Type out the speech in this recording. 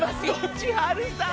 千春さーん！